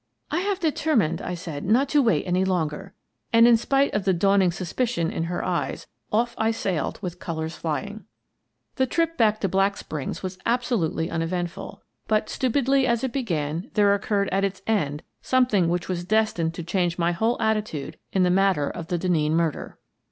" I have determined," I said, " not to wait any longer." And, in spite of the dawning suspicion in her eyes, off I sailed with colours flying. The trip back to Black Springs was absolutely 94 Miss Frances Baird, Detective uneventful, but, stupidly as it began, there occurred at its end something which was destined to change my whole attitude in the matter of the Denneen murder.